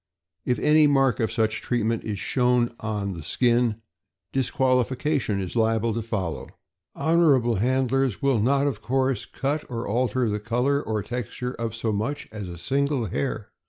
If any mark of such treatment is shown on THE BEDLINGTON TERRIER. 409 the skin, disqualification is liable to follow. Honorable handlers will not, of course, cut or alter the color or texture of so much as a single hair.